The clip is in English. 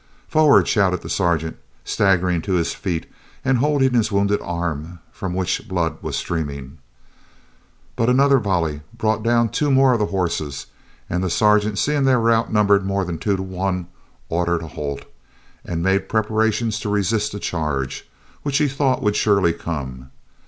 "Forward!" shouted the Sergeant, staggering to his feet, and holding his wounded arm, from which the blood was streaming. But another volley brought down two more of the horses, and the Sergeant seeing they were outnumbered more than two to one, ordered a halt, and made preparations to resist a charge, which he thought would surely come.